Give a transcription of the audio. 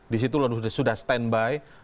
di situ sudah standby